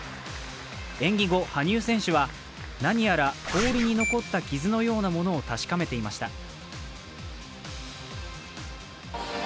演技後、羽生選手は何やら氷に残った傷のようなものを確かめていました。